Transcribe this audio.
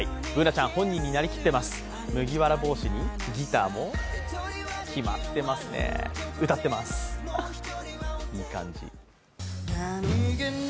Ｂｏｏｎａちゃん本人になりきっています、麦わら帽子に、ギターもキマってますね。